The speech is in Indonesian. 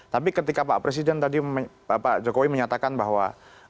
tapi ketika pak presiden tadi pak jokowi menyatakan bahwa